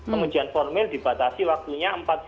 pengujian formil dibatasi waktunya empat puluh